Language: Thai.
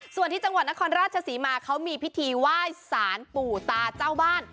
ส่วนที่จังหวัดนครราชศรีมาเขามีพิธีไหว้สารปู่ตาเจ้าบ้าน